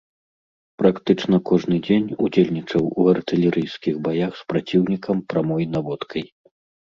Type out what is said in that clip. Практычна кожны дзень удзельнічаў у артылерыйскіх баях з праціўнікам прамой наводкай.